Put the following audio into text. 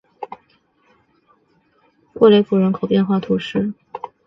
沃雷普人口变化图示